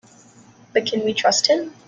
But can we trust him?